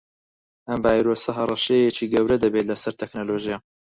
ئەم ڤایرۆسە هەڕەشەیەکی گەورە دەبێت لەسەر تەکنەلۆژیا